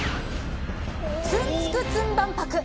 ツンツクツン万博。